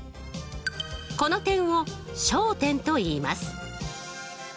この点を焦点といいます。